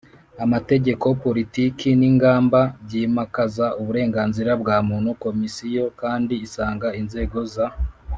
Amategeko politiki n ingamba byimakaza uburenganzira bwa muntu komisiyo kandi isanga inzego za